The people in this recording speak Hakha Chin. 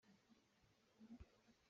Thlitu a kan pheng tu hi a ṭha hnem ngai.